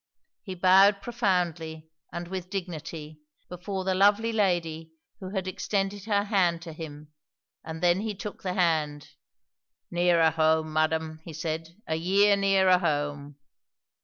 He bowed profoundly, and with dignity, before the lovely lady who had extended her hand to him, and then he took the hand. "Nearer home, madam," he said; "a year nearer home."